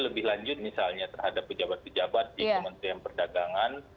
lebih lanjut misalnya terhadap pejabat pejabat di kementerian perdagangan